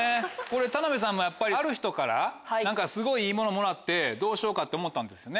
田辺さんもやっぱりある人からすごいいい物もらってどうしようかと思ったんですよね。